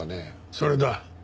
それだ。